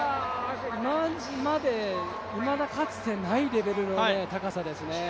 いまだかつてないレベルの高さですね。